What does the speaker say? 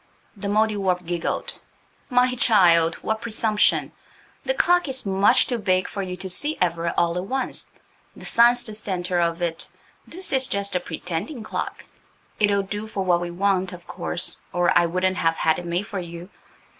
The Mouldiwarp giggled. "My child, what presumption! The clock is much too big for you to see ever–all at once. The sun's the centre of it. This is just a pretending clock. It'll do for what we want, of course, or I wouldn't have had it made for you.